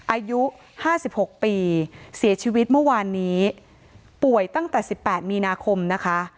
อายุ๕๖ปีเสียชีวิตเมื่อวานนี้ป่วยตั้งแต่๑๘มีนาคมนะคะ